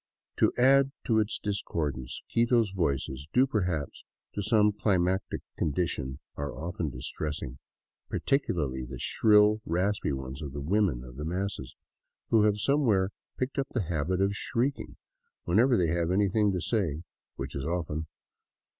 To add to its discordance, Quito's voices, due perhaps to some cli matic condition, are often distressing, particularly the shrill, raspy ones of the women of the masses, who have somewhere picked up the habit of shrieking whenever they have anything to say — which is often.